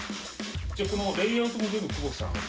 じゃあこのレイアウトも全部久保田さんが？